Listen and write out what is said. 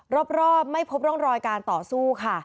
รอบไม่พบร่องรอยการต่อสู้ค่ะ